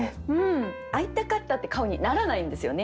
会いたかったって顔にならないんですよね